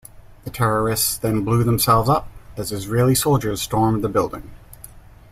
The terrorists then blew themselves up as Israeli soldiers stormed the building.